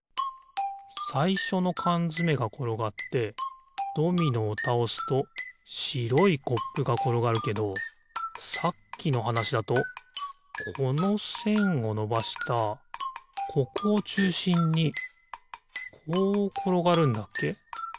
さいしょのかんづめがころがってドミノをたおすとしろいコップがころがるけどさっきのはなしだとこのせんをのばしたここをちゅうしんにこうころがるんだっけ？